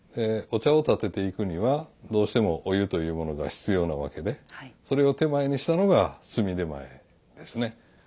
お茶を点てていくにはどうしてもお湯というものが必要なわけでそれを点前にしたのが炭点前ですね。